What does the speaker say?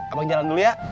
abang jalan dulu ya